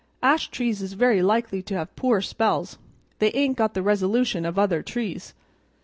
Ash trees is very likely to have poor spells; they ain't got the resolution of other trees."